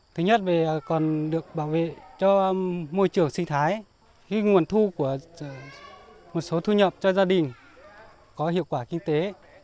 thứ nhất còn được bảo vệ cho môi trường sinh thái nguồn thu của một số thu nhập cho gia đình có hiệu quả kinh tế